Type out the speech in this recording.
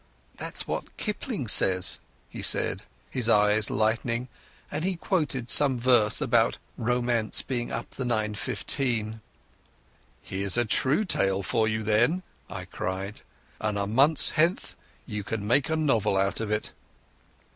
"That's what Kipling says," he said, his eyes brightening, and he quoted some verse about "Romance brings up the 9.15." "Here's a true tale for you then," I cried, "and a month from now you can make a novel out of it."